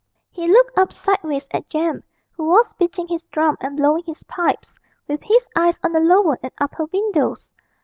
He looked up sideways at Jem, who was beating his drum and blowing his pipes, with his eyes on the lower and upper windows.